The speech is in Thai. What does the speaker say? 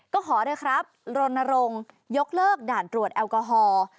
ก็ขอด้วยครับรณรงค์ยกเลิกด่านตรวจแอลกอฮอล์